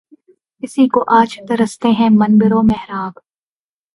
اسی کو آج ترستے ہیں منبر و محراب